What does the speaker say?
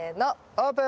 オープン。